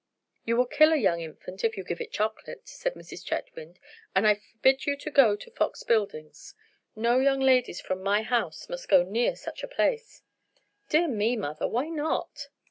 "You will kill a young infant if you give it chocolate," said Mrs. Chetwynd, "and I forbid you to go to Fox Buildings. No young ladies from my house must go near such a place." "Dear me, mother, why not?"